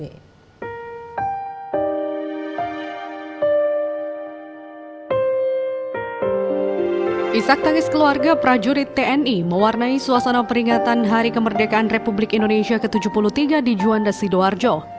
isak tangis keluarga prajurit tni mewarnai suasana peringatan hari kemerdekaan republik indonesia ke tujuh puluh tiga di juanda sidoarjo